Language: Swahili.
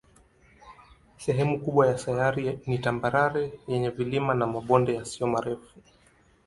Sehemu kubwa ya sayari ni tambarare yenye vilima na mabonde yasiyo marefu.